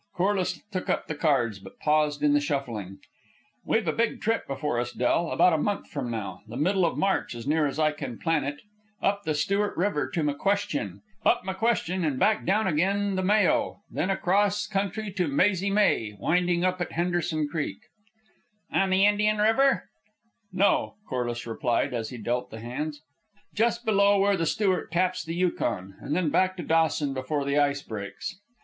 Corliss took up the cards, but paused in the shuffling. "We've a big trip before us, Del, about a month from now, the middle of March as near as I can plan it, up the Stuart River to McQuestion; up McQuestion and back again down the Mayo; then across country to Mazy May, winding up at Henderson Creek " "On the Indian River?" "No," Corliss replied, as he dealt the hands; "just below where the Stuart taps the Yukon. And then back to Dawson before the ice breaks."